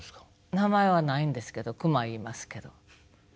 名前はないんですけどクマいいますけど。